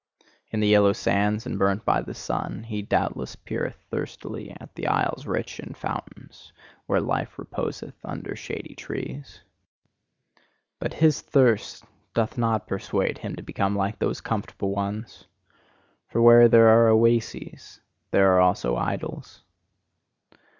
In the yellow sands and burnt by the sun, he doubtless peereth thirstily at the isles rich in fountains, where life reposeth under shady trees. But his thirst doth not persuade him to become like those comfortable ones: for where there are oases, there are also idols.